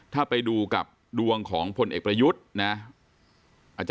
ถ้าไปดูกับดวงของพลเอกประยุทธ์นะ